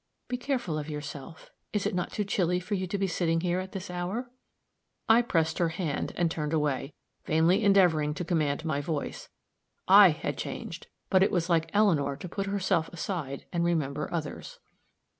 Be careful of yourself is it not too chilly for you to be sitting here at this hour?" I pressed her hand, and turned away, vainly endeavoring to command my voice. I had changed! but it was like Eleanor to put herself aside and remember others.